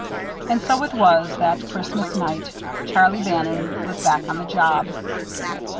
And so it was that Christmas night; Charlie Bannon was back on the job.